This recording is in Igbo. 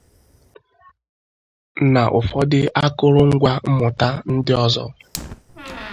na ụfọdụ akụrụngwa mmụta ndị ọzọ.